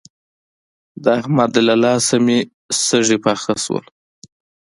د احمد له لاسه مې سږي پاخه شول.